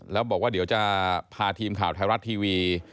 แล้วบอกว่าเดี๋ยวจะพาทีมข่าวไทยรัฐทีวี